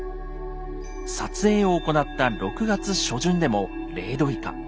撮影を行った６月初旬でも０℃以下。